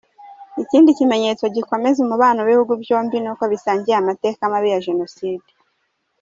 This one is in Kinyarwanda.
Ikindi kimenyetso gikomeza umubano w’ibihugu byombi ni uko bisangiye amateka mabi ya Jenoside.